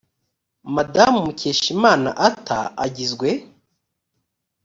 madamu mukeshimana ata agizwe